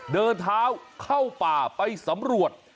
เดินเท้าเข้าป่าไปสำรวจ